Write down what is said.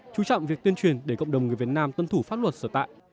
chú trọng việc tuyên truyền để cộng đồng người việt nam tuân thủ pháp luật sở tại